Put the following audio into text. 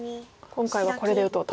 今回はこれで打とうと。